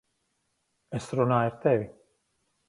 Es runāju ar tevi!